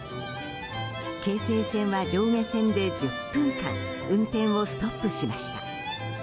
京成線は、上下線で１０分間運転をストップしました。